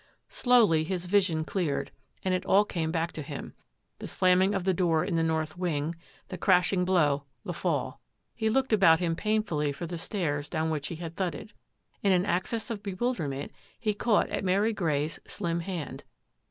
Slowly his vision cleared and it all came back to him, the slamming of the door in the north wing, the crashing blow, the fall. He looked about him painfully for the stairs down which he had thudded. In an access of bewilder ment he caught at Mary Grey's slim hand.